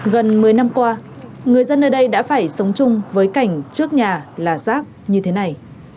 gần một mươi năm qua người dân ở đây đã phải sống chung với cảnh trước nhà là rác như thế này